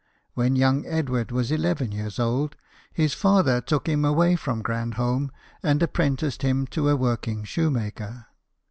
When young Edward was eleven yeers old, his father took him away from Gnmdholm, and apprenticed him to a working shcemaker.